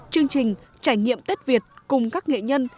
chương trình trải nghiệm tết việt cùng các nghệ nhân